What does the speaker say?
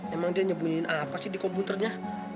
emang dia nyebunyiin apa sih di komputernya